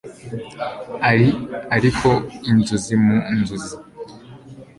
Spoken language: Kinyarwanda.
ari ariko inzozi mu nzozi